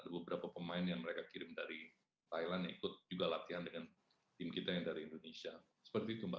beberapa pemain yang mereka kirim dari thailand yang ikut juga latihan dengan tim kita yang dari indonesia seperti itu mbak